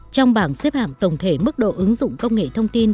trong bảng xếp hạng tổng thể mức độ ứng dụng công nghệ thông tin